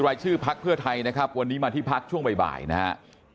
รายชื่อพักเพื่อไทยนะครับวันนี้มาที่พักช่วงบ่ายนะฮะ